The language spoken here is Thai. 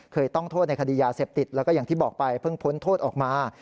ต้องโทษในคดียาเสพติดแล้วก็อย่างที่บอกไปเพิ่งพ้นโทษออกมา